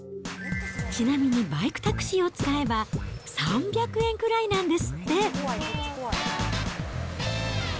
ちなみにバイクタクシーを使えば、３００円くらいなんですって。